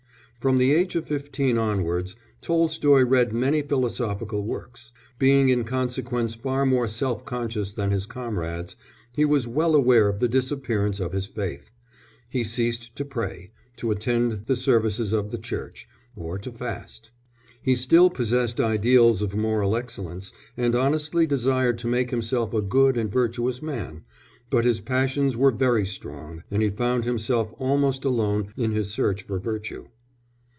From the age of fifteen years onwards Tolstoy read many philosophical works; being in consequence far more self conscious than his comrades, he was well aware of the disappearance of his faith; he ceased to pray, to attend the services of the Church, or to fast. He still possessed ideals of moral excellence, and honestly desired to make himself a good and virtuous man, but his passions were very strong, and he found himself almost alone in his search for virtue.